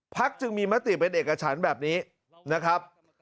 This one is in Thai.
พักษ์จะมีมฤติเป็นเอกฉันแบบนี้นะครับ